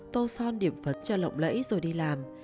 tô son điểm phật cho lộng lẫy rồi đi làm